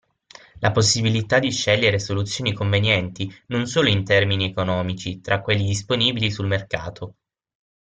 La possibilità di scegliere soluzioni convenienti non solo in termini economici tra quelli disponibili sul mercato.